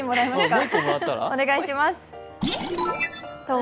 ２お願いします。